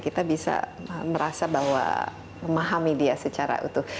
kita bisa merasa bahwa memahami dia secara utuh